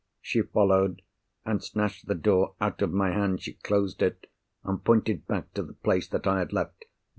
She followed, and snatched the door out of my hand; she closed it, and pointed back to the place that I had left.